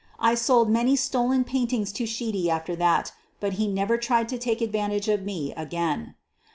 I sold many stolen paintings to Sheedy after that, but he never tried to take advantage of me again.